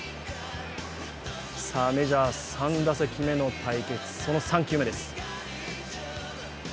さぁ、メジャー３打席目の対決、その３球目です。